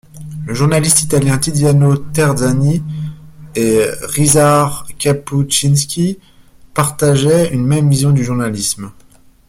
Le journaliste italien Tiziano Terzani et Ryszard Kapuściński partageaient une même vision du journalisme.